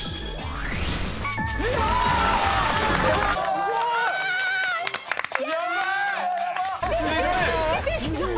すごーい！